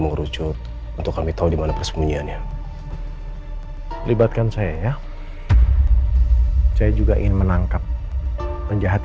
mengerucut untuk kami tahu dimana persembunyiannya libatkan saya ya saya juga ingin menangkap penjahat